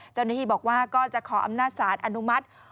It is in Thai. เจ้าหน้าที่บอกว่าก็จะขออำนาจสารอนุมัติ